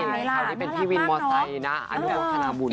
นี่คราวนี้เป็นพี่วินมไตนะอันนี้คือธนาบุญ